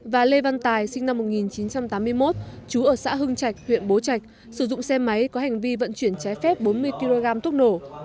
và lê văn tài sinh năm một nghìn chín trăm tám mươi một chú ở xã hưng trạch huyện bố trạch sử dụng xe máy có hành vi vận chuyển trái phép bốn mươi kg thuốc nổ